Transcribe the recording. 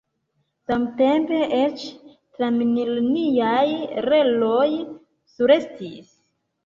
Samtempe eĉ tramliniaj reloj surestis.